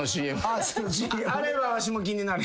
あれはわしも気になる。